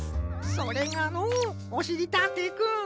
それがのうおしりたんていくん。